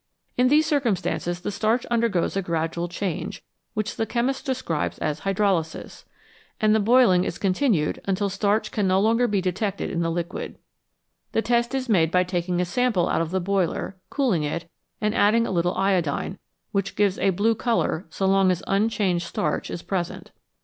In these circumstances the starch undergoes a gradual change, which the chemist describes as "hydrolysis," and the boiling is continued until starch can no longer be detected in the liquid. The test is made by taking a sample out of the boiler, cooling it, and adding a little iodine, which gives a blue colour so long as unchanged starch is present.